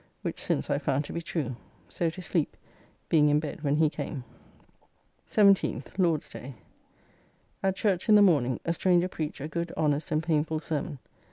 Which since I found to be true. So to sleep, being in bed when he came. 17th (Lord's day). At church in the morning, a stranger preached a good honest and painfull sermon.